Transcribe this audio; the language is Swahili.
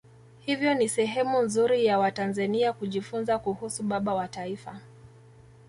hiyo ni sehemu nzuri ya watanzania kujifunza kuhusu baba wa taifa